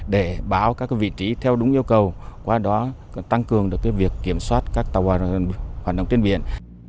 để báo các vị trí theo đúng yêu cầu qua đó tăng cường được việc kiểm soát các tàu hoạt động trên biển